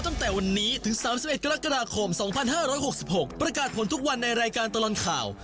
ตั้งแต่วันนี้ถึง๓๑กรกฎาคม๒๕๖๖ประกาศผลทุกวันในรายการตลอดข่าว